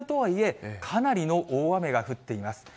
ただ、リハーサルとはいえ、かなりの大雨が降っています。